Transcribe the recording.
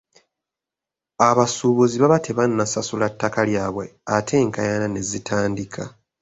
Abasuubuzi baba tebannasasula ttaka lyabwe ate enkaayana ne zitandika.